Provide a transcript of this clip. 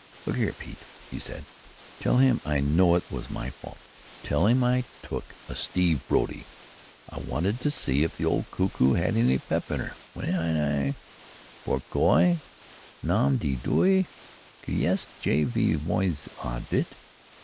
"Look here, Pete," he said; "tell him I know it was my fault. Tell him I took a Steve Brody. I wanted to see if the old cuckoo had any pep in 'er. When I " "Pourquoi? Nom de Dieu! Qu'est ce que je vous ai dit?